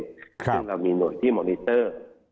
ซึ่งเรามีหน่วยที่มอนิเตอร์